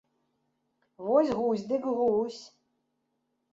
Вось гусь, дык гусь!